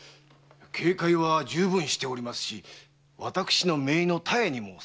警戒は充分しておりますし私の姪の多江にも探らせております。